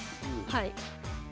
はい。